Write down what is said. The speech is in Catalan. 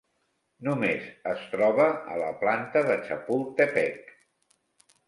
Només es troba a la planta de Chapultepec.